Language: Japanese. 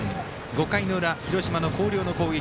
５回の裏、広島の広陵の攻撃。